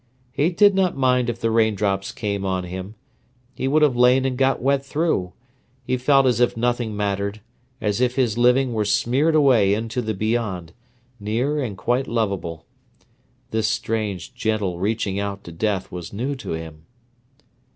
He did not mind if the raindrops came on him: he would have lain and got wet through: he felt as if nothing mattered, as if his living were smeared away into the beyond, near and quite lovable. This strange, gentle reaching out to death was new to him.